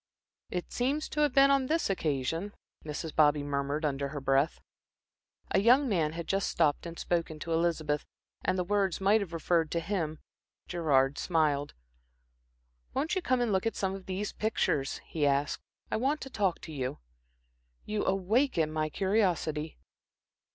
"It seems to have been on this occasion," Mrs. Bobby murmured under her breath. A young man had just stopped and spoken to Elizabeth, and the words might have referred to him. Gerard smiled. "Won't you come and look at some of these pictures?" he asked. "I want to talk to you." "You awaken my curiosity."